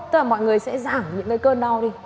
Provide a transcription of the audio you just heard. tức là mọi người sẽ giảm những cái cơn đau đi